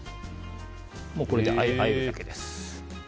もうこれであえるだけです。